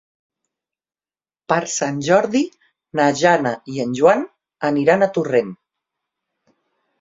Per Sant Jordi na Jana i en Joan aniran a Torrent.